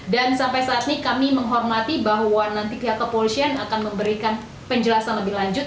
dan sampai saat ini kami menghormati bahwa nanti pihak kepolisian akan memberikan penjelasan lebih lanjut